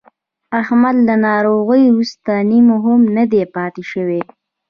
احمد له ناروغۍ ورسته نیم هم نه دی پاتې شوی.